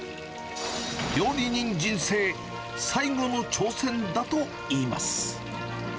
料理人人生最後の挑戦だといいます。